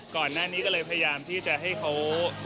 ก่อนหน้านี้ก็เลยพยายามที่จะให้เขา